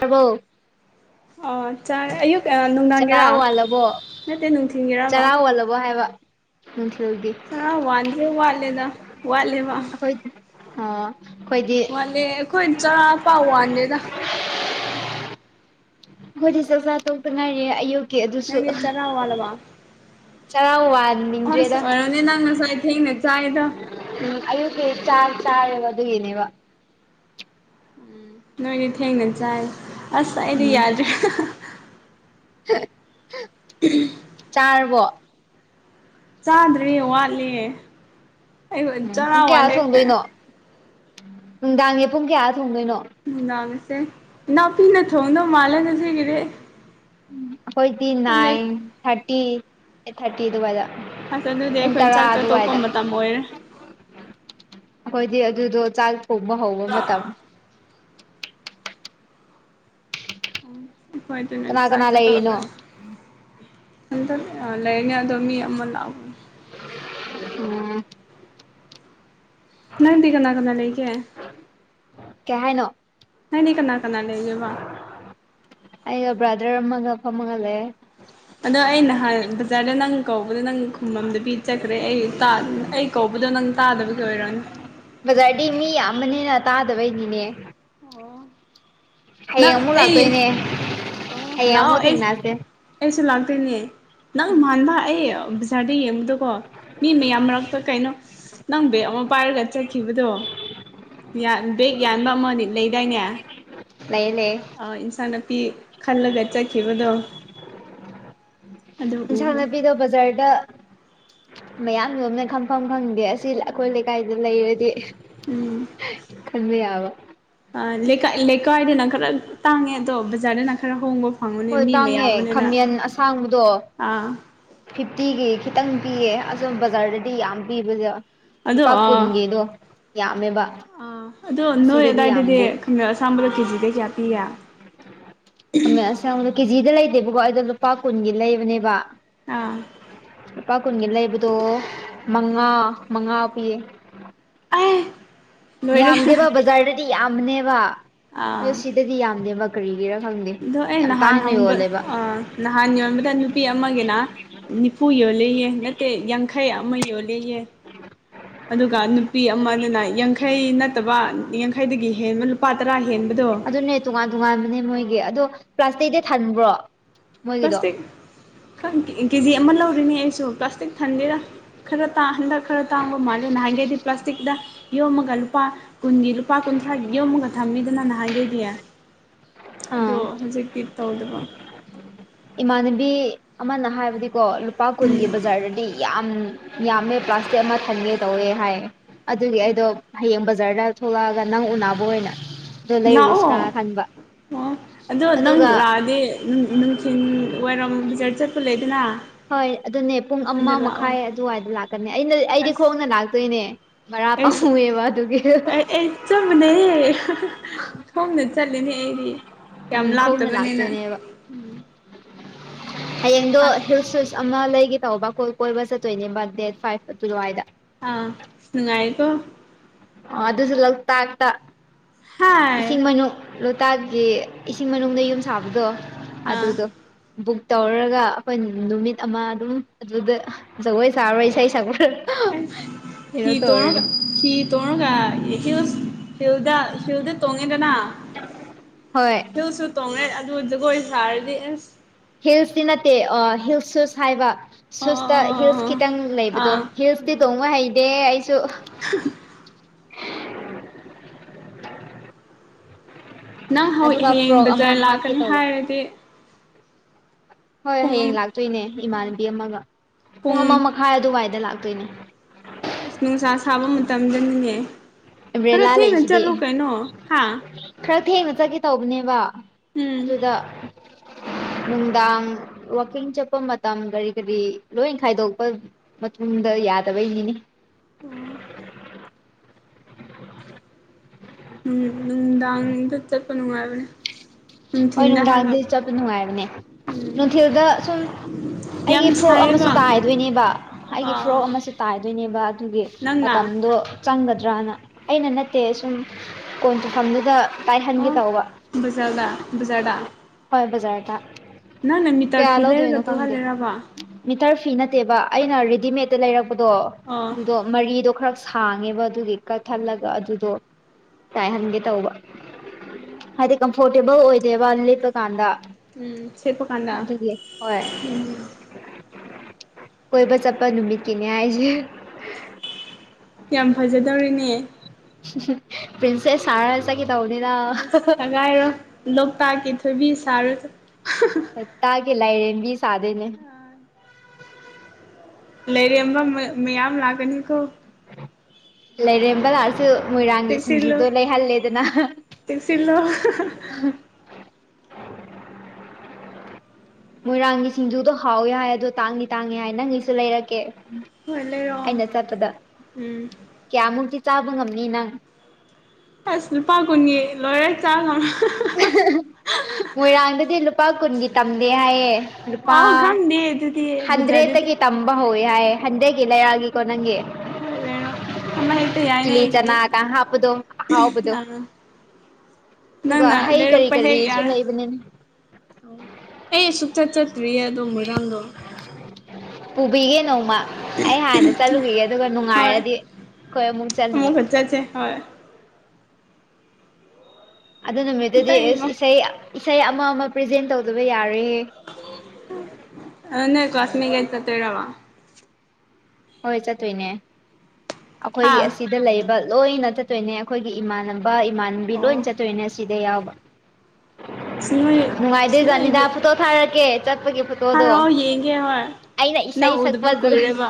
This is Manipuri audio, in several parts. ꯍꯕꯣ ꯑꯣꯆꯥ ꯑꯨ ꯆꯔꯥ ꯋꯥꯜꯂꯕꯣ ꯅꯠꯇꯦ ꯅꯨꯡꯊꯤꯟꯒꯤꯔ ꯆꯔꯥ ꯑꯣꯜꯂꯕꯣ ꯍꯥꯏꯕ ꯅꯨꯡꯊꯤꯜꯗꯤ ꯑ ꯋꯥꯗꯦ ꯋꯥꯂꯦꯅ ꯋꯥꯂꯦ ꯃꯥ ꯀꯣꯏ ꯍ ꯋꯥꯅꯦꯦ ꯑꯩꯈꯣꯏ ꯆ ꯄꯥꯎ ꯋꯥꯅꯦꯦꯗ ꯑꯩꯈꯣꯏꯗꯤ ꯆꯥꯛꯆꯥꯥ ꯇꯣꯛꯇ ꯉꯥꯏꯔꯤꯌ‌ꯦ ꯑꯌꯨꯛ ꯅꯪ ꯆꯂꯋꯥꯜꯕ ꯆꯔꯥ ꯋꯥꯟꯅꯤꯡꯗ꯭ꯔꯦꯗ ꯅꯪ ꯉꯣ ꯍ ꯅ [inaudible] ꯎꯝ ꯑꯌꯨꯛꯀꯤꯤ ꯆꯥ ꯆꯥꯕ ꯑꯗꯨꯒꯤꯅꯦꯕ ꯅꯣꯏꯗꯤ ꯊꯦꯡꯅ ꯆꯥꯏ ꯑꯁ ꯑꯩꯗꯤ ꯎꯝ ꯌꯥꯗ꯭ꯔꯦ [unintelligible] ꯎ ꯆꯥꯔꯕꯣ ꯆꯥꯗ꯭ꯔꯔꯤ ꯋꯥꯠꯂꯤ ꯑꯩ ꯎꯝ ꯆꯔꯥ ꯄꯨꯡ ꯀꯌꯥ ꯋꯥꯟꯗꯦ ꯊꯣꯡꯗꯣꯏꯅꯣ ꯅꯨꯡꯗꯥꯡꯒꯤ ꯄꯨꯡ ꯀꯌꯥ ꯊꯣꯡꯗꯣꯏꯅꯣ ꯅꯨꯡꯗꯥꯡꯉꯁꯦ ꯏ ꯅꯥꯎꯄꯤꯅ ꯊꯣꯡꯗꯧ ꯃꯥꯜꯂꯦ ꯉꯁꯤꯒꯤꯗꯤ ꯎ ꯑꯩꯈꯣꯏꯗꯤ ꯈꯪꯗꯦ ꯅꯥꯏꯟ ꯊꯥꯔꯇꯤ ꯑꯩꯠ ꯊꯥꯔꯇꯤ ꯑꯗꯨꯋꯥꯗ ꯐꯁ ꯑꯗꯨꯗꯤ ꯑꯩꯈꯣꯏ ꯆꯥꯛ ꯆꯥꯠꯇꯣꯛꯄ ꯃꯇꯝ ꯑꯣꯏꯔꯦ ꯑꯩꯈꯣꯏꯗꯤ ꯑꯗꯨꯗꯣ ꯆꯥꯛ ꯊꯣꯡꯕ ꯍꯧꯕ ꯃꯇꯝ ꯍꯣꯏ ꯇ ꯅ ꯀꯅꯥ ꯆꯥ ꯀꯅꯥ ꯆ ꯂꯩꯔꯤꯅꯣ ꯇꯧꯔꯂ ꯅꯇ ꯂꯩ ꯂꯩꯅꯦ ꯑꯗꯨꯣ ꯃꯤ ꯑꯃ ꯎꯝ ꯅꯪꯗꯤ ꯀꯅꯥ ꯀꯅꯥ ꯂꯩꯒꯦ ꯀꯩ ꯍꯥꯏꯅꯣ ꯅꯪꯗꯤ ꯀꯅꯥ ꯀꯅꯥ ꯂꯩꯒꯦꯕ ꯑꯩꯒ ꯕ꯭ꯔꯥꯗꯔ ꯑꯃꯒ ꯐꯝꯃꯒ ꯂꯩ꯭ꯌ‌ꯦ ꯑꯗꯣ ꯑꯩ ꯅꯍꯥꯟ ꯕꯖꯥꯔꯗ ꯅꯪ ꯀꯧꯕꯗ ꯅꯪ ꯈꯨꯃꯝꯗ ꯄꯤ ꯆꯠꯈ꯭ꯔꯦ ꯑꯩ ꯑꯩ ꯀꯧꯕꯗꯣ ꯅꯪ ꯇꯥꯗꯕꯒꯤ ꯑꯣꯏꯔꯅꯤ ꯕꯖꯥꯔꯗꯤ ꯃꯤ ꯌꯥꯝꯕꯅꯤꯅ ꯇꯥꯗꯕꯩꯅꯤꯅꯦ ꯑꯣ ꯍꯌꯦꯡ ꯅꯪ ꯑꯃꯨꯛ ꯑꯩ ꯂꯥꯛꯇꯣꯏꯅꯦ ꯑꯣ ꯍꯌꯦꯡ ꯂꯑꯣ ꯑꯃꯨꯛ ꯑꯦ ꯊꯦꯡꯅꯁꯦ ꯑꯦꯁꯨ ꯂꯥꯛꯗꯣꯏꯅꯤ ꯅꯪ ꯃꯥꯟꯕ ꯑꯩ ꯕꯖꯥꯔꯗ ꯌꯦꯡꯕꯗꯀꯣ ꯃꯤ ꯃꯌꯥꯝ ꯃꯔꯛꯇ ꯀꯩꯅꯣ ꯅꯪ ꯕꯦꯦꯛ ꯑꯃ ꯄꯥꯏꯔꯒ ꯆꯠꯈꯤꯕꯗꯣ ꯕꯦꯦꯛ ꯌꯥꯟꯕ ꯑꯃꯅꯤ ꯂꯩꯗꯥꯏꯅꯦ ꯂꯩ ꯂꯩꯦ ꯑꯥ ꯏꯟꯁꯥꯡ ꯅꯥꯄꯤ ꯈꯜꯂꯒ ꯆꯠꯈꯤꯕꯗꯣ ꯑꯗꯨ ꯏꯟꯁꯥꯡ ꯎꯕ ꯅꯥꯄꯤꯗꯣ ꯕꯖꯥ꯭ꯔꯗ ꯃꯌꯥꯝ ꯂꯣꯝꯅ ꯈꯝꯐꯝ ꯈꯪꯗꯦ ꯑꯁꯤ ꯑꯩꯈꯣꯏ ꯂꯩꯀꯥꯏꯗ ꯂꯩꯔꯗꯤ ꯎꯝ ꯈꯟꯕꯤ ꯌꯥꯕ ꯂꯩꯀꯥꯏꯗꯅ ꯈꯔ ꯇꯥꯡꯉꯦ ꯑꯗꯣ ꯕꯖꯥꯔꯗꯅ ꯈꯔ ꯍꯣꯡꯉꯣ ꯍꯣꯏ ꯇꯥꯡꯉꯦ ꯈꯥꯃꯟ ꯑꯁꯥꯡꯕꯗꯣ ꯑꯥ ꯐꯤꯐꯇꯤꯒꯤ ꯈꯤꯇꯪ ꯄꯤꯌꯦ ꯑꯗꯣ ꯕꯖꯥꯔꯗꯗꯤ ꯌꯥꯝ ꯄꯤꯕꯗ ꯑꯗꯣ ꯂꯨꯄꯥ ꯑꯥ ꯀꯨꯟꯒꯤꯗꯣ ꯌꯥꯝꯃꯦꯕ ꯑꯥ ꯑꯗꯣ ꯅꯣꯏ ꯑꯁꯤꯗꯗꯤ ꯑꯗꯥꯋꯥꯏꯗꯗꯤ ꯌꯥꯝꯗꯦ ꯈꯝꯗ ꯑꯁꯥꯝꯕꯗꯣ ꯀꯦꯖꯤꯗꯩ ꯀꯌꯥ ꯄꯤꯒꯦ ꯑꯁꯗ ꯀꯦꯖꯤꯗ ꯂꯩꯇꯦꯕꯀꯣ ꯑꯩꯗ ꯂꯨꯄꯥ ꯀꯨꯟꯒꯤ ꯂꯩꯕꯅꯦꯕ ꯑꯥ ꯂꯨꯄꯥ ꯀꯨꯟꯒꯤ ꯂꯩꯕꯗꯣ ꯃꯉꯥ ꯃꯉꯥ ꯄꯤꯌꯦ ꯑꯦ ꯂꯣꯏꯔꯦ ꯌꯥꯝꯗꯦꯕ ꯕꯖꯥ꯭ꯔꯗꯗꯤ ꯌꯥꯝꯕꯅ‌ꯦꯕ ꯑꯥ ꯑꯗꯨꯁꯤꯗ ꯗꯤ ꯌꯥꯝꯗꯦ ꯀꯔꯤꯒꯤꯔ ꯈꯪꯗꯦ ꯑꯗꯣ ꯑꯩ ꯌꯥꯝ ꯅꯍꯥꯟ ꯇꯥꯡꯅ ꯍꯪꯕ ꯌꯣꯜꯂꯦꯕ ꯅꯍꯥꯟ ꯌꯣꯟꯕꯗ ꯅꯨꯄꯤ ꯑꯃꯒꯤꯅ ꯅꯤꯐꯨ ꯌꯣꯜꯂꯦꯌꯦ ꯅꯠꯇꯦ ꯌꯥꯡꯈꯩ ꯑꯃ ꯌꯣꯜꯂꯦꯌꯦ ꯑꯗꯨꯒ ꯅꯨꯄꯤ ꯑꯃꯅꯅ ꯌꯥꯡꯈꯩ ꯅꯠꯇꯕ ꯌꯥꯡꯈꯩꯗꯒꯤ ꯍꯦꯟꯕ ꯂꯨꯄꯥ ꯇꯔꯥ ꯍꯦꯟꯕꯗꯣ ꯑꯗꯨꯅꯦ ꯇꯣꯉꯥꯟ ꯇꯣꯉꯥꯟꯕꯅꯦ ꯃꯣꯏꯒꯤ ꯑꯗꯣ ꯄ꯭ꯂꯥꯁꯇꯤꯗꯤ ꯊꯟꯕ꯭ꯔꯣ ꯃꯣꯏꯒꯤꯗꯣ ꯄ꯭ꯂꯥꯁꯇꯤꯛ ꯈ ꯀꯦꯖꯤ ꯑꯃ ꯂꯧꯔꯤꯅꯦ ꯑꯩꯁꯨ ꯄ꯭ꯂꯥꯁꯇꯤꯛ ꯊꯟꯗꯦꯔꯥ ꯈꯔ ꯇꯥꯡꯗ ꯈꯔ ꯇꯥꯡꯉꯒ ꯃꯥꯜꯂꯦ ꯅ ꯍꯪꯦꯗꯤ ꯄ꯭ꯂꯥꯁꯇꯤꯛꯗ ꯌꯣꯃꯒ ꯂꯨꯄꯥ ꯀꯨꯟꯒꯤ ꯂꯨꯄꯥ ꯀꯨꯟꯊ꯭ꯔꯥ ꯌꯣꯝꯃꯒ ꯊꯝꯕꯤꯗꯅ ꯅꯍꯥꯟꯒꯦꯗꯤ ꯑꯗꯣ ꯑꯥ ꯍꯧꯖꯤꯛꯇꯤ ꯇꯧꯗꯕ ꯏꯃꯥꯟꯅꯕꯤ ꯑꯃꯅ ꯍꯥꯏꯕꯗꯤꯀꯣ ꯂꯨꯄꯥ ꯎꯝ ꯀꯨꯟꯒꯤ ꯕꯖꯥꯔꯗꯗꯤ ꯌꯥꯝ ꯌꯥꯝꯃꯦ ꯄ꯭ꯂꯥꯁꯇꯤꯛ ꯑꯃ ꯊꯟꯒꯦ ꯇꯧꯋꯦ ꯍꯥꯏ ꯑꯗꯨꯒꯤ ꯑꯩꯗꯣ ꯍꯌꯦꯡ ꯕꯖꯥ꯭ꯔꯗ ꯊꯣꯛꯂꯛꯑꯒ ꯅꯪ ꯎꯅꯕ ꯑꯣꯏꯅ ꯑꯗ‌ꯣ ꯂꯥꯛꯑꯣ ꯂꯩꯔꯨꯔꯁꯤꯔꯥ ꯈꯟꯕ ꯑꯣ ꯑꯗꯣ ꯅꯪ ꯑꯗꯨꯒ ꯂꯥꯛꯑꯗꯤ ꯅꯨꯡꯊꯤꯜ ꯋꯥꯏꯔꯝ ꯕꯖꯥꯔ ꯆꯠꯄ ꯂꯩꯗꯅ ꯍꯣꯏ ꯑꯗꯨꯅꯦ ꯄꯨꯡ ꯑꯃ ꯑꯗꯨꯗ ꯂꯥꯛꯑꯣ ꯃꯈꯥꯏ ꯑꯗꯨꯋꯥꯏꯗ ꯂꯥꯛꯀꯅꯤ ꯑꯩꯅ ꯑꯩꯗꯤ ꯑꯁ ꯈꯣꯡꯅ ꯂꯥꯛꯇꯣꯏꯅꯦ ꯄꯥꯨ ꯑꯦ ꯋꯥ ꯑꯗꯨ ꯏ ꯆꯕꯅꯦ ꯁꯣꯝꯗ ꯆꯠꯂꯤꯅꯦ ꯑꯩꯗꯤ ꯌꯥꯝ ꯎꯝ ꯈꯣꯡꯅ ꯂꯥꯞꯇꯕꯅꯤꯅ ꯂꯥꯛꯇꯣꯏꯅꯦꯕ ꯍꯌꯦꯡꯗꯣ ꯑꯁ ꯁ ꯑꯃ ꯂꯩꯒꯦ ꯇꯧꯕ ꯀ ꯀꯣꯏꯕ ꯆꯠꯇꯣꯏꯅꯦꯕ ꯗꯦꯠ ꯐꯥꯏꯚ ꯑꯗꯨ ꯑꯗꯨꯋꯥꯏꯗ ꯑꯥ ꯅꯨꯡꯉꯥꯏꯔꯤꯀ‌ꯣ ꯑꯗꯨꯁꯨ ꯂꯣꯛꯇꯥꯛꯇ ꯏꯁꯤꯡ ꯍꯥꯏ ꯃꯅꯨꯡ ꯂꯣꯛꯇꯥꯛꯀꯤ ꯏꯁꯤꯡ ꯃꯅꯨꯡꯗ ꯌꯨꯝ ꯁꯥꯕꯗꯣ ꯑꯥ ꯑꯗꯨꯗꯣ ꯕꯨꯛ ꯇꯧꯔꯒ ꯑꯩꯈꯣꯏ ꯅꯨꯃꯤꯠ ꯑꯃ ꯑꯗꯨꯝ ꯑꯗꯨꯗ ꯖꯒꯣꯏ ꯁꯥꯔꯨꯔꯣꯏ ꯏꯁꯩ ꯁꯛꯄꯨꯔ ꯍꯤ ꯇ‌ꯣꯔꯒ ꯍꯤ ꯇ‌‌ꯣꯔꯒ ꯍꯤ꯭ꯜꯁ ꯁꯤꯦꯜꯗ ꯁꯤꯜꯗ ꯇꯣꯉꯦꯗꯅ ꯍꯣꯏ ꯁꯤꯁꯨ ꯇꯣꯡꯅꯩ ꯑꯗꯨ ꯖꯒꯣꯏ ꯁꯥꯔꯗꯤ ꯑꯁ ꯍꯤꯜꯁꯇꯤ ꯅꯠꯇꯦ ꯍꯤꯜ ꯁꯨꯁ ꯍꯥꯏꯕ ꯑꯣ ꯁꯨꯁꯇ ꯑꯣ ꯍꯤꯜꯁ ꯈꯤꯇꯪ ꯂꯩꯕꯗꯣ ꯑꯥ ꯎꯝ ꯍꯤꯜꯁ ꯦ ꯇꯣꯡꯕ ꯍꯩꯗꯦ ꯑꯩꯁꯨ [inaudible] [unintelligible] ꯅꯪ ꯑꯗꯨꯒ ꯍꯌꯦꯡ ꯐ꯭ꯔꯣꯛ ꯑꯃ ꯕꯖꯥꯔ ꯍꯥꯞꯀꯦ ꯂꯥꯛꯀꯅꯤ ꯇꯧꯕ ꯍꯥꯏꯔꯗꯤ ꯍꯣꯏ ꯄꯨꯡ ꯍꯌꯦꯡ ꯑꯃ ꯂꯥꯛꯇꯣꯏꯅꯦ ꯏꯃꯥꯟꯅꯕꯤ ꯑꯃꯒ ꯄꯨꯡ ꯑꯃ ꯃꯈꯥꯏ ꯑꯗꯨꯋꯥꯏꯗ ꯂꯥꯛꯇꯣꯏꯅꯦ ꯑꯁ ꯅꯨꯡꯁꯥ ꯁꯥꯕ ꯃꯇꯝꯗꯅꯤꯅꯦ ꯈꯔ ꯑꯝꯕ꯭ꯔꯦꯂꯥ ꯊꯦꯡꯅ ꯂꯩꯁꯤꯗꯤ ꯆꯠꯂꯨ ꯀꯩꯅꯣ ꯍꯥ ꯈꯔ ꯊꯦꯡꯅ ꯆꯠꯀꯦ ꯇꯧꯕꯅꯦꯕ ꯑꯗꯨꯗ ꯎꯝ ꯅꯨꯡꯗꯥꯡ ꯋꯥꯋꯀꯤꯡ ꯆꯠꯄ ꯃꯇꯝ ꯀꯔꯤ ꯀꯔꯤ ꯂꯣꯏ ꯈꯥꯏꯗꯣꯛꯄ ꯃꯇꯨꯡꯗ ꯌꯥꯗꯕꯩꯅꯤꯅꯤ ꯑꯣ ꯅꯨꯡꯗꯥꯡꯗ ꯆꯠꯄ ꯅꯨꯡꯉꯥꯏꯕꯅꯦ ꯍꯣꯏ ꯅꯨꯡꯊꯤꯟꯗ ꯍꯥꯏꯕ ꯅꯨꯡꯗꯥꯡꯗ ꯆꯠꯄ ꯅꯨꯡꯉꯥꯏꯕꯅꯦ ꯎꯝ ꯅꯨꯡꯊꯤꯜꯗ ꯁꯨꯝ ꯌꯥꯝ ꯑꯩꯒꯤ ꯐꯣꯔꯣꯛ ꯑꯃꯁꯨ ꯁꯥꯏꯌꯦꯕ ꯇꯥꯏꯗꯣꯏꯅꯦꯕ ꯑꯩꯒꯤ ꯐꯣꯔꯣꯛ ꯑꯥ ꯑꯃꯁꯨ ꯇꯥꯏꯗꯣꯏꯅꯦꯕ ꯑꯗꯨꯒꯤ ꯅꯪꯅ ꯃꯝꯗꯨ ꯆꯪꯒꯗ꯭ꯔꯅ ꯑꯩꯅ ꯅꯠꯇꯦ ꯁꯨꯝ ꯀꯣꯟ ꯇꯨꯝꯐꯝꯗꯨꯗ ꯇꯥꯏꯍꯟꯒꯦ ꯇꯧꯕ ꯕꯖꯥꯜꯗ-ꯕꯖ꯭ꯥꯔꯗ ꯍꯣꯏꯕꯖꯔꯗꯇꯥ ꯅꯪꯅ ꯃꯤꯇꯔ ꯐꯤ ꯂꯩꯔꯒ ꯇꯨꯍꯜꯂꯦꯔꯕ ꯃꯤꯇꯔ ꯐꯤ ꯅꯠꯇꯦꯕ ꯑꯩꯅ ꯔꯦꯗꯤꯃꯦꯗꯠꯇ ꯂꯩꯔꯛꯄꯗꯣ ꯑꯣ ꯑꯗꯨꯗꯣ ꯃꯔꯤꯗꯣ ꯈꯔ ꯁꯥꯡꯉꯦꯕ ꯑꯗꯨꯒꯤ ꯀꯛꯊꯠꯂꯒ ꯑꯗꯨꯗꯣ ꯇꯥꯏꯍꯟꯒꯦ ꯇꯧꯕ ꯍꯥꯏꯗꯤ ꯀꯝꯐꯣꯔꯇꯦꯕꯜ ꯑꯣꯏꯗꯦꯕ ꯂꯦꯞꯄ ꯀꯥꯟꯗ ꯎꯝ ꯁꯦꯄ ꯀꯥꯟꯗ ꯑꯗꯨꯒꯤ ꯍꯣꯏ ꯎꯝ ꯀꯣꯏꯕ ꯆꯠꯄ ꯅꯨꯃꯤꯠꯀꯤꯅꯦ ꯍꯥꯏꯁꯦ ꯌꯥꯝ ꯐꯖꯗꯧꯔꯤꯅꯦ ꯄꯤꯟꯁꯦꯁ ꯁꯥꯥꯔ ꯆꯠ ꯀ‌ꯦ ꯇꯧꯅꯤꯗ ꯉꯥꯏꯔꯣ ꯂꯣꯛꯇꯥꯛꯀꯤ ꯊꯣꯏꯕꯤ ꯁꯥꯔꯨꯆ‌ꯣ [inaudible] ꯂꯥꯏꯔ‌ꯦꯝꯕꯤ ꯁꯥꯗ‌ꯣꯏꯅꯦ ꯂꯩꯔꯦꯝꯕ ꯃꯌꯥꯝ ꯂꯒꯅꯤ ꯍꯀ ꯂꯩꯔꯝꯕ ꯁꯨ ꯃꯣꯏꯔꯥꯡꯒꯤ ꯆꯦꯛꯁꯤꯜꯂꯨ ꯁꯤꯡꯖꯨꯗꯣ ꯂꯩꯍꯜꯂꯦꯗꯅ ꯆꯦꯛꯁꯤꯜꯂꯣ ꯃꯣꯏꯔꯥꯡꯒꯤ ꯁꯤꯡꯖꯨꯗꯣ ꯍꯥꯎꯋꯦ ꯍꯥꯏ ꯑꯗꯣ ꯇꯥꯡꯅꯤ ꯇꯥꯡꯉ ꯍꯥꯏ ꯅꯪ ꯑꯩꯁꯨ ꯂꯩꯔꯛꯀꯦ ꯍꯣꯏ ꯂꯩꯔꯛꯑꯣ ꯑꯩꯅ ꯆꯠꯄꯗ ꯎꯝ ꯀꯌꯥꯃꯨꯛꯇꯤ ꯆꯥꯕ ꯉꯝꯅꯤ ꯅꯪ ꯑꯁ ꯂꯨꯄꯥ ꯀꯨꯟꯒꯤ ꯂꯣꯏꯔ‌ꯦ ꯆꯥꯎꯝ ꯃꯣꯏꯔꯥꯡꯗꯗꯤ ꯂꯨꯄꯥ ꯀꯨꯟꯒꯤ ꯇꯝꯗꯦ ꯍꯥꯏꯌꯦ ꯔꯨꯄꯥ ꯑꯣ ꯈꯪꯗꯦ ꯑꯗꯨꯗꯤ ꯍꯟꯗ꯭ꯔꯦꯠ ꯕꯖꯥꯔꯗꯗꯤ ꯇꯒꯤ ꯇꯝꯕ ꯍꯧꯋꯦ ꯍꯥꯏ ꯍꯟꯗꯛꯀꯤ ꯂꯩꯥꯏꯔꯛꯒꯤꯀꯣ ꯅꯪꯒꯤ ꯍꯣꯏ ꯂꯩꯔꯣ ꯑꯃ ꯍꯦꯛꯇ ꯌꯥꯏꯅꯦ ꯏꯂꯤ ꯑꯩꯒꯤꯗꯤ ꯆꯅꯥꯒ ꯍꯥꯄꯗꫭ ꯑꯍꯥꯎꯕꯗꯨ ꯑꯥ ꯅꯪꯅ ꯍꯩ ꯀꯔꯤ ꯂꯩꯔꯛꯄ ꯍꯦꯛ ꯀꯔꯤꯁꯨ ꯌꯥꯔꯦ ꯂꯩꯕꯅꯤꯅꯦ ꯑꯣ ꯑꯩ ꯑꯁꯨꯛꯆꯠ ꯆꯠꯇ꯭ꯔꯤꯌꯦ ꯑꯗꯣ ꯃꯣꯏꯔꯥꯡꯗꯣ ꯄꯨꯕꯤꯒꯦ ꯅꯣꯡꯃ ꯑꯩ ꯍꯥꯟꯅ ꯆꯠꯂꯨꯈꯤꯒꯦ ꯑꯗꯨꯒ ꯅꯨꯡꯉꯥꯏꯔꯗꯤ ꯑꯩꯈꯣꯏ ꯑꯃꯨꯛ ꯆꯠꯅꯕ ꯆꯆꯦ ꯍꯣꯏ ꯑꯗꯨ ꯅꯨꯃꯤꯠꯇꯨꯗꯤ ꯑꯦꯁ ꯑꯇꯩꯃꯛ ꯏꯁꯩ ꯏꯁꯩ ꯑꯃ ꯑꯃ ꯄ꯭ꯔꯖꯦꯟ ꯇꯧꯗꯕ ꯌꯥꯔꯦ ꯑꯅꯦ ꯀꯥꯁꯃꯤꯒꯥꯏ ꯆꯠꯇꯔꯃ ꯍꯣꯏ ꯆꯠꯇꯣꯏꯅꯦ ꯍꯥ ꯑꯩꯈꯣꯏꯒꯤ ꯑꯁꯤꯗ ꯂꯩꯕ ꯂꯣꯏꯅ ꯆꯠꯇꯣꯏꯅꯦ ꯑꯩꯈꯣꯏꯒꯤ ꯏꯃꯥꯟꯅꯕ ꯏꯃꯥꯟꯅꯕꯤ ꯂꯣꯏ ꯑꯣ ꯆꯠꯇꯣꯏꯅꯦ ꯁꯤꯗ ꯌꯥꯎꯕ ꯑꯁ ꯅꯣꯏ ꯑꯁ ꯅꯨꯡꯉꯥꯏꯗꯦ ꯖꯥꯅꯤꯗꯥ ꯐꯣꯇꯣ ꯊꯥꯔꯛꯀꯦ ꯆꯠꯄꯒꯤ ꯐ ꯍꯥꯏꯔꯛꯑꯣ ꯌꯦꯡꯒꯦ ꯍꯣꯏ ꯅꯪ ꯏꯁꯩ ꯎꯗꯕ ꯁꯛꯄ ꯖꯒꯣꯏ ꯀꯨꯏꯔꯦꯕ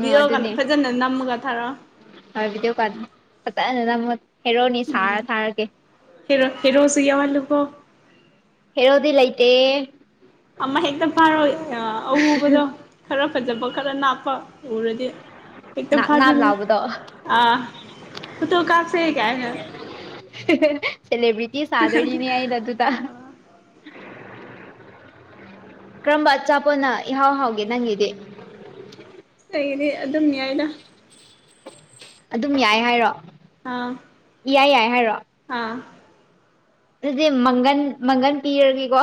ꯕꯤꯒꯌꯒ ꯐꯖꯅ ꯅꯝꯃꯨꯒ ꯊꯥꯔꯣ ꯍꯣꯏ ꯚꯤꯗꯤꯑꯣ ꯀꯥ ꯐꯖꯅꯅ ꯑꯃꯨ ꯍꯥꯏꯔꯛꯑꯣꯅꯤ ꯁꯥꯔ ꯊꯥꯔꯒꯦ ꯍꯦꯔꯣ ꯍꯦꯔꯣꯁꯨ ꯌꯥꯋꯥꯜꯂꯨꯀꯣ ꯍꯗꯤꯂꯥꯏꯇ ꯑꯃ ꯍꯦꯛꯇ ꯐꯥꯔꯣꯏ ꯑꯎꯕꯗꯣ ꯈꯔ ꯐꯖꯕ ꯈꯔ ꯅꯥꯞꯄ ꯎꯔꯗꯤ ꯍꯛꯇꯥ ꯅꯥꯞ ꯅꯥꯞ ꯐꯥꯖꯜꯂꫭ ꯂꯥꯎꯕꯗꯣ ꯑꯥ ꯐꯣꯇꯣ ꯀꯥꯞꯁꯦ ꯀꯥꯏ [unintelligible] ꯁꯦꯂꯦꯕ꯭ꯔꯤꯇꯤ ꯁꯥꯥꯗ‌ꯣꯏꯅꯤꯅ‌ꯦ ꯑꯩꯅ ꯑꯗꯨꯗ ꯀꯔꯝꯕ ꯑꯆꯥꯄꯅ ꯏꯍꯥꯎ ꯍꯥꯎꯒꯦ ꯅꯪꯒꯤꯗꯤ ꯑꯩꯒꯤꯗꯤ ꯑꯗꯨꯝ ꯌꯥꯏꯗ ꯑꯗꯨꯝ ꯌꯥꯏ ꯍꯥꯏꯔꯣ ꯑꯥ ꯏꯌꯥ ꯌꯥꯏ ꯍꯥꯏꯔꯣ ꯑꯥ ꯑꯗꯨꯗꯤ ꯃꯪꯒꯟ ꯃꯪꯒꯟ ꯄꯤꯔꯒꯦꯀꯣ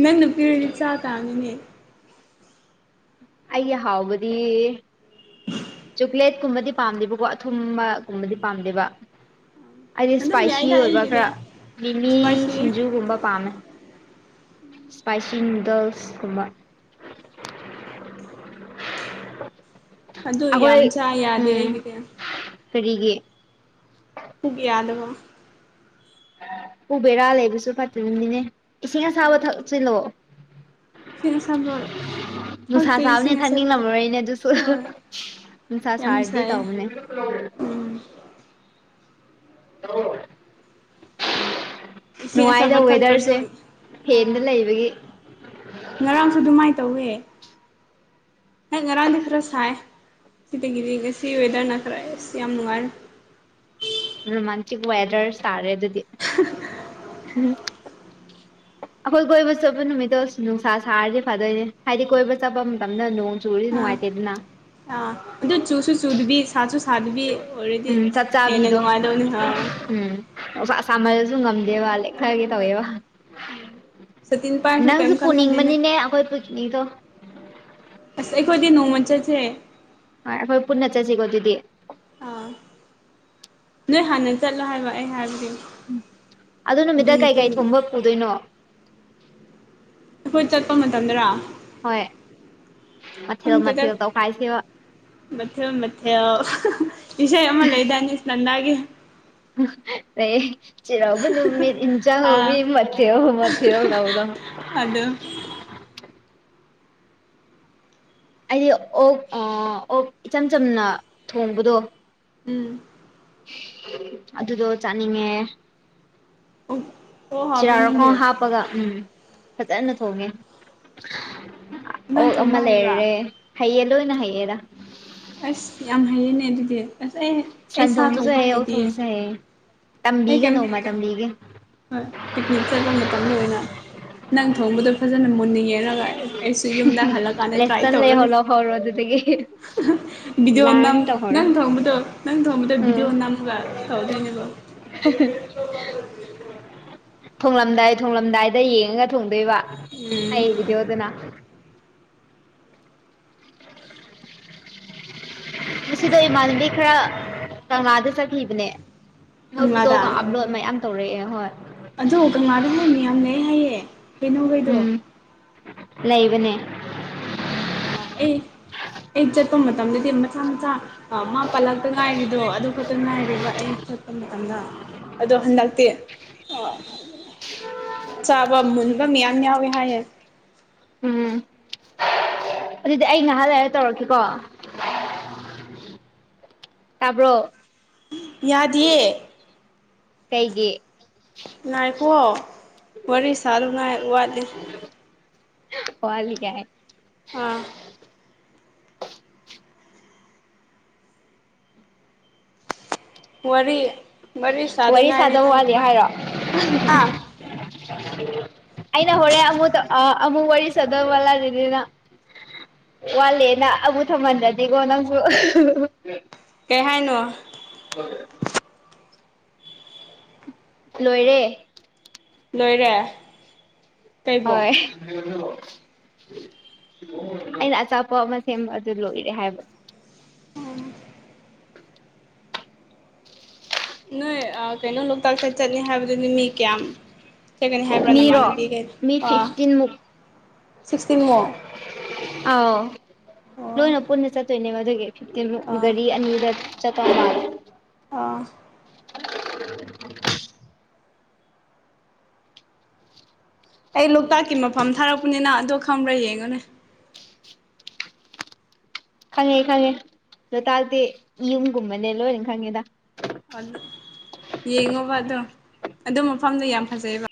ꯅꯪ ꯅꯨꯄꯤꯔꯗꯤ ꯆꯥ ꯇꯥꯝꯅꯤꯅꯦ ꯑꯩꯒꯤ ꯍꯥꯎꯕꯗꯤ ꯆꯣꯀ꯭ꯂꯦꯠꯀꯨꯝꯕꯗꯤ ꯄꯥꯝꯗꯦꯕꯀꯣ ꯑꯊꯨꯝꯕꯒꯨꯝꯕꯗꯤ ꯄꯥꯝꯗꯦꯕ ꯑꯩꯗꯤ ꯑꯗꯨꯝ ꯏ꯭ꯁꯄꯥꯏꯁꯤ ꯌꯥꯏꯗ ꯑꯣꯏꯕ ꯑꯩꯒꯤꯗꯤ ꯈꯔ ꯃꯤꯃꯤ ꯏꯁꯄꯥꯏꯁꯤ ꯁꯤꯡꯖꯨꯒꯨꯝꯕ ꯄꯥꯝꯃꯦ ꯏꯁ꯭ꯄꯥꯏꯁꯤ ꯅꯨꯗꯜꯁꯀꯨꯝꯕ ꯑꯗꯨ ꯌꯥꯝ ꯑꯩꯈꯣꯏ ꯆꯥ ꯌꯥꯗꯦ ꯎꯝ ꯑꯩꯒꯤꯗꯤ ꯀꯔꯤꯒꯤ ꯄꯨꯛ ꯌꯥꯗꯕ ꯎꯕꯦꯔꯥ ꯂꯩꯕꯁꯨ ꯐꯥꯠꯇꯔꯝꯅꯤꯅꯦ ꯏꯁꯤꯡ ꯑꯁꯥꯕ ꯊꯛꯁꯤꯂꯣ ꯐ ꯁ [unintelligible] ꯅꯨꯡꯁꯥ ꯆꯥꯕꯅꯤ ꯑꯁꯥꯕꯗꯤ ꯊꯛꯅꯤꯡꯂꯝꯃꯣꯏꯅꯦ ꯑꯗꯨꯁꯨ ꯍꯣꯏ ꯅꯨꯡꯁꯥ ꯌꯥꯝ ꯁꯥꯔꯗꯤ ꯁꯥꯏꯌꯦ ꯇꯧꯕꯅꯦ ꯎꯝ ꯍ [unintelligible] ꯏꯁꯤꯡ ꯅꯨꯡꯉꯥꯏꯗ ꯑꯁꯥꯕ ꯊꯛꯇ꯭ꯔꯁꯨ ꯋꯦꯗ꯭ꯔꯁꯦ ꯐ‌ꯦꯟꯗ ꯑꯥ ꯂꯩꯕꯒꯤ ꯉꯔꯥꯡꯁꯨ ꯑꯗꯨꯃꯥꯏꯅ ꯇꯧꯋꯦ ꯍꯣꯏ ꯉꯔꯥꯡꯗꯤ ꯈꯔ ꯁꯥꯏ ꯁꯤꯇꯒꯤꯔꯤꯒꯁꯤ ꯋꯦꯗꯔꯅ ꯈꯔ ꯑꯁ ꯌꯥꯝ ꯅꯨꯡꯉꯥꯏꯔꯦ ꯔꯣꯃꯥꯟꯇꯤꯛ ꯋꯦꯗꯔ ꯁꯥꯔꯦ ꯑꯗꯨꯗꯤ ꯑꯩꯈꯣꯏ ꯀꯣꯏꯕ ꯆꯠꯄ ꯅꯨꯃꯤꯠꯇꯣ ꯅꯨꯡꯁꯥ ꯁꯥꯔꯗꯤ ꯐꯥꯗꯣꯏꯅꯦ ꯍꯥꯏꯗꯤ ꯀꯣꯏꯕ ꯆꯠꯄ ꯃꯇꯝꯗ ꯅꯣꯡ ꯆꯨꯔꯤꯗꯤ ꯅꯨꯡꯉꯥꯏꯇꯦ ꯇꯤꯟꯅ ꯑ ꯑꯗꯨ‌ ꯆꯨꯁ ꯁꯨꯁꯨ ꯆꯨꯗꯨꯕꯤ ꯁꯥꯁꯨ ꯁꯥꯗꯨꯕꯤ ꯑꯣꯜꯔꯦꯗꯤ ꯎꯝ ꯆꯞ ꯍꯦꯟꯅ ꯆꯥꯕꯤꯗꯣ ꯅꯨꯡꯉꯥꯏꯗꯕꯅꯤꯍ ꯎꯝ ꯅꯨꯡꯁꯥ ꯁꯥꯃꯜꯂꯖꯨ ꯉꯝꯗꯦꯕ ꯂꯦ ꯈꯔꯒꯤ ꯍꯣꯏ ꯇꯧꯋꯦꯕ ꯁꯇꯤꯟ ꯄꯥꯏꯔꯁꯨ ꯅꯪꯁꯨ ꯀꯩꯝ ꯀꯥꯟꯅꯗꯦꯅꯦ ꯄꯨꯅꯤꯡꯕꯅꯤꯅꯦ ꯑꯩꯈꯣꯏ ꯄꯤꯀꯤꯅꯤꯡꯇꯣ ꯑꯁ ꯑꯩꯈꯣꯏꯗꯤ ꯅꯣꯡꯃ ꯆꯠꯁꯦ ꯍꯣꯏ ꯑꯩꯈꯣꯏ ꯄꯨꯟꯅ ꯆꯠꯁꯤꯀꯣ ꯑꯗꯨꯗꯤ ꯑꯥ ꯅꯣꯏ ꯍꯥꯟꯅ ꯆꯠꯂꯣ ꯍꯥꯏꯕ ꯑꯩ ꯍꯥꯏꯕꯗꯤ ꯑꯗꯨ ꯅꯨꯃꯤꯠꯇ ꯀꯩꯀꯩ ꯊꯣꯡꯕ ꯄꯨꯗꯣꯏꯅꯣ ꯑꯩꯈꯣꯏ ꯆꯠꯄ ꯃꯇꯝꯗꯔꯥ ꯍꯣꯏ ꯃꯊꯦꯜ ꯃꯊꯦꯜ ꯇꯧꯈꯥꯏꯁꯦꯕ ꯃꯊꯦ ꯃꯊꯦ ꯏꯁꯩ ꯑꯃ ꯂꯩꯗꯥꯏꯅ‌ꯦ ꯁꯟꯗꯒꯤ ꯂꯩꯌꯦ ꯆꯩꯔꯥꯎꯕ ꯅꯨꯃꯤꯠ ꯏꯟꯖꯥꯡ ꯍꯥꯎ ꯑꯥ ꯏ ꯃꯊꯦꯜ ꯃꯊꯦꯜ ꯇꯧꯕꯗꯣ ꯑꯗꯨ ꯑꯩ ꯑꯣꯛ ꯑꯣꯛ ꯏꯆꯝ ꯆꯝꯅ ꯊꯣꯡꯕꯗꯣ ꯎꯝ ꯑꯗꯨꯗꯣ ꯆꯥꯅꯤꯡꯉꯦ ꯑꯣꯛ ꯑꯣꯛ ꯍꯥꯎꯕ꯭ꯔꯥ ꯅꯪꯒꯤ ꯆꯤꯔꯥꯛꯈꯣꯡ ꯍꯥꯞꯄꯒ ꯎꯝ ꯐꯖꯅ ꯊꯣꯡꯉꯦ ꯅꯪ ꯑꯣꯛ ꯑꯃ ꯊꯣꯡꯕ ꯍꯩꯕ꯭ꯔꯥ ꯂꯩꯔꯦ ꯍꯌꯦ ꯗꯣꯅ ꯍꯌꯦꯔ ꯑꯁ ꯌꯥꯝ ꯍꯩꯌꯦꯅꯦ ꯑꯗꯨꯗꯤ ꯑꯁ ꯑꯩ ꯑꯩ ꯁꯟ ꯁꯥ ꯊꯣꯡꯕꯁꯨ ꯊꯣꯡꯕ ꯍꯩꯌꯦ ꯑꯣꯛ ꯍꯥꯏꯇꯤꯌꯦ ꯊꯣꯡꯕꯁꯨ ꯍꯩꯌꯦ ꯑꯩ ꯇꯝꯕꯤꯒꯦ ꯀꯩꯝ ꯍꯩꯇꯦ [unintelligible] ꯍꯣꯏ ꯄꯤꯛꯅꯤꯛ ꯆꯠꯄ ꯃꯇꯝꯗ ꯑꯣꯏꯅ ꯅꯪ ꯊꯣꯡꯕꯗꯣ ꯐꯖꯅ ꯃꯨꯟ ꯌꯦꯡ ꯍꯥꯏꯔꯒ ꯑꯩꯁꯨ ꯌꯨꯝꯗ ꯍꯜꯂꯛꯀꯥꯟꯗ ꯇ꯭ꯔꯥꯏ ꯂꯦꯁꯟ ꯇꯧꯔꯒꯦ ꯂꯩꯍꯧ ꯂꯧꯍꯧꯔꯣ ꯑꯗꯨꯗꯒꯤ [unintelligible] ꯕꯤꯗꯤꯑꯣ ꯂꯥꯔꯟ ꯅꯪ ꯇꯧꯍꯧꯔꯣ ꯅꯪꯊꯣꯡꯕꯗꯣ ꯅꯪ ꯊꯣꯡꯕꯗꯣ ꯎꯝ ꯕꯤꯗꯤꯑꯣ ꯅꯝꯃꯒ ꯇꯧꯗꯣꯏꯅꯦꯕꯣ [unintelligible] ꯊꯣꯡꯂꯝꯗꯥꯏ ꯊꯣꯡꯂꯝꯗꯥꯏꯗ ꯌꯦꯡꯉꯒ ꯊꯣꯡꯗꫭꯏꯕ ꯎꯝ ꯑꯩ ꯕꯤꯗꯤꯑꯣꯗꯅ ꯉꯁꯤꯗꯣ ꯑꯁ ꯏꯃꯥꯟꯅꯕꯤ ꯈꯔ ꯀꯪꯂꯥꯗ ꯆꯠꯈꯤꯕꯅꯦ ꯃꯣꯏ ꯀꯪꯂꯥꯗ ꯐꯣꯇꯣꯒ ꯑꯞꯂꯣꯗ ꯃꯌꯥꯝ ꯇꯧꯔꯛꯑꯦ ꯍꯣꯏ ꯑꯗꯣ ꯀꯪꯂꯥꯗ ꯍ‌ꯩ ꯃꯤꯌꯥꯝ ꯂꯩ ꯍꯥꯏꯌꯦ ꯍꯩꯅꯧ ꯈꯩꯗꯣ ꯎꯝ ꯂꯩꯕꯅꯦ ꯑꯩ ꯑꯩ ꯆꯠꯄ ꯃꯇꯝꯗꯗꯤ ꯃꯆꯥ ꯃꯆꯥ ꯑ ꯃꯥ ꯄꯜꯂꯛꯇ ꯉꯥꯏꯔꯤꯗꯣ ꯑꯗꯨ ꯈꯛꯇꯪ ꯉꯥꯏꯔꯦꯕ ꯑꯩ ꯆꯠꯄ ꯃꯇꯝꯗ ꯑꯗꯣ ꯍꯟꯗꯛꯇꯤ ꯆꯥꯕ ꯃꯨꯟꯕ ꯃꯤꯌꯥꯝ ꯌꯥꯎꯋꯦ ꯍꯥꯏꯌꯦ ꯎꯝ ꯑꯗꯨꯗꯤ ꯑꯩ ꯉꯍꯥ ꯂꯩꯔ ꯇꯧꯔꯛꯀꯦꯀꯣ ꯇꯥꯕ꯭ꯔꯣ ꯌꯥꯗꯤꯌꯦ ꯀꯩꯒꯤ ꯅꯥꯏꯈꯣꯋꯣ ꯋꯥꯔꯤ ꯁꯥꯗꯨ ꯉꯥꯏ ꯋꯥꯠꯂꯤ ꯋꯥꯠꯂꯤ ꯀꯥꯏ‌ ꯑꯥ ꯋꯥꯔꯤ ꯃꯔꯤ ꯁꯥꯗ ꯋꯥꯔꯤ ꯉꯥꯐꯔꯤ ꯁꯥꯗꯧ ꯅꯪ ꯋꯥꯠꯂꯤ ꯀꯃꯥꯏ ꯍꯥꯏꯔꯣ ꯍꯥ [unintelligible] ꯑꯩꯅ ꯍꯣꯔꯦꯟ ꯑꯃꯨꯗ ꯑꯃꯨꯛ ꯋꯥꯔꯤ [inaudible] ꯋꯥꯠꯂꯦ ꯅ ꯑꯃꯨ ꯊꯝꯍꯟꯗꯗꯤꯀꯣ ꯅꯪꯁꯨ ꯀꯩ ꯍꯥꯏꯅꯣ ꯍ [unintelligible] ꯂꯣꯏꯔꯦ ꯂꯣꯏꯔꯦ ꯀꯩꯕꯣ ꯍꯣꯏ [unintelligible] ꯑꯣ ꯑꯩꯅ ꯑꯆꯥꯄꯣꯠ ꯑꯃ ꯁꯦꯝꯕ ꯑꯗꯨ ꯂꯣꯏꯔꯦ ꯍꯥꯏꯕ [unintelligible] ꯅꯣꯏ ꯑꯥ ꯀꯩꯅꯣ ꯂꯣꯛꯇꯥꯛꯇ ꯆꯠꯅꯤ ꯍꯥꯏꯕꯗꯨꯗꯤ ꯃꯤ ꯀꯌꯥꯝ ꯆꯩꯒꯅꯤ ꯍꯥꯏꯕ꯭ꯔꯥ ꯃꯤꯔꯣ ꯃꯤ ꯅꯃꯥꯟꯅꯕꯤꯒꯩꯗꯣ ꯐꯤꯐꯇꯤꯟꯃꯨꯛ ꯁꯤꯛꯁꯇꯤꯟꯃꯨꯛ ꯑꯥꯎ ꯑꯣ ꯂꯣꯏꯅ ꯄꯨꯟꯅ ꯆꯠꯇ‌ꯣꯏꯅꯦꯕ ꯑꯗꯨꯒꯤ ꯐꯤꯞꯇꯤꯟ ꯔꯨꯠ ꯑꯥ ꯒꯥꯔꯤ ꯑꯅꯤꯗ ꯆꯠꯄ ꯃꯥꯂ‌ꯦ ꯑꯥ [unintelligible] ꯑꯩ ꯂꯣꯛꯇꯥꯛꯀꯤ ꯃꯐꯝ ꯊꯥꯔꯛꯄꯅꯤꯅ ꯑꯗꯣ ꯈꯪꯕ꯭ꯔꯥ ꯌꯦꯡꯉꯨꯅꯦ ꯈꯪꯉꯦ-ꯈꯪꯉꯦ ꯂꯣꯛꯇꯥꯛꯇꯤ ꯌꯨꯝꯒꯨꯝꯕꯅꯦ ꯂꯣꯏꯅ ꯈꯪꯉꯦꯗ ꯌꯦꯡꯉꯣꯕ ꯑꯗꯣ ꯑꯗꯨ ꯃꯐꯝꯗꯣ ꯌꯥꯝ ꯐꯖꯩꯕ